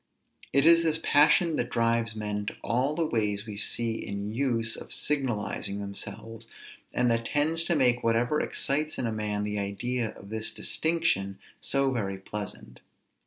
It is this passion that drives men to all the ways we see in use of signalizing themselves, and that tends to make whatever excites in a man the idea of this distinction so very pleasant.